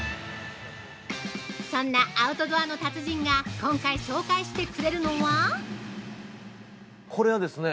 そんなアウトドアの達人が今回紹介してくれるのは◆これはですね